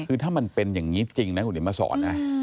คือถ้ามันเป็นอย่างนี้จริงนะอุดิมศรนะ